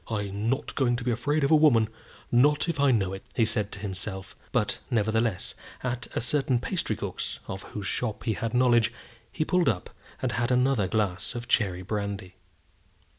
"I'm not going to be afraid of a woman not if I know it," he said to himself; but, nevertheless, at a certain pastrycook's, of whose shop he had knowledge, he pulled up and had another glass of cherry brandy.